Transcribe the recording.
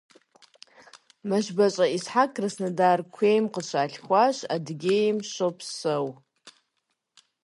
МэшбащӀэ Исхьэкъ Краснодар куейм къыщалъхуащ, Адыгейм щопсэу.